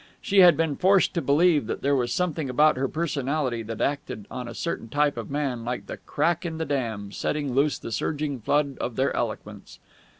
She had been forced to believe that there was something about her personality that acted on a certain type of man like the crack in the dam, setting loose the surging flood of their eloquence.